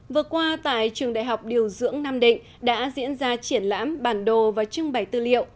vừa qua tại trường đại học điều dưỡng nam định đã diễn ra triển lãm bản đồ và trưng bày tư liệu